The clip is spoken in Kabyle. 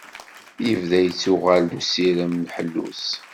Yebda yettuɣal-d usirem n ḥellu-s.